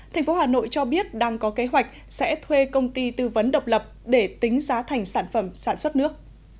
thành phố hà nội cho biết đang có kế hoạch sẽ thuê công ty tư vấn độc lập để tính giá thành sản phẩm sản xuất nước